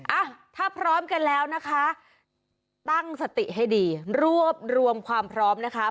อ่ะถ้าพร้อมกันแล้วนะคะตั้งสติให้ดีรวบรวมความพร้อมนะคะ